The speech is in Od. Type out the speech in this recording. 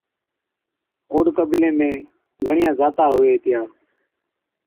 اوڏ قبيلي ۾ گھڻِيا ذاتا ھُوي ھِتيا